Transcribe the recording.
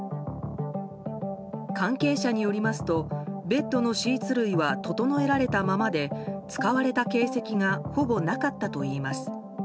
関係者によりますとベッドのシーツ類は整えられたままで使われた形跡がほぼなかったといいます。